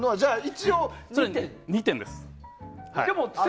２点です。